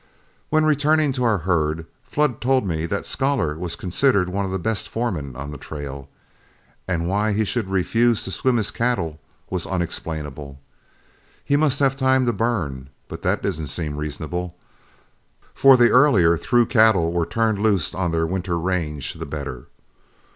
When returning to our herd, Flood told me that Scholar was considered one of the best foremen on the trail, and why he should refuse to swim his cattle was unexplainable. He must have time to burn, but that didn't seem reasonable, for the earlier through cattle were turned loose on their winter range the better.